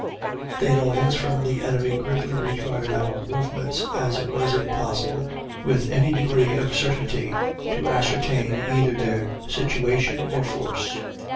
The annoyance from the enemy greatly retarded our movements, as it was impossible, with any degree of certainty, to ascertain either their situation or force.